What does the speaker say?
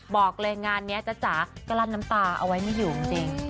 บอกเลยงานนี้จ๊ะจ๋าก็ลั้นน้ำตาเอาไว้ไม่อยู่จริง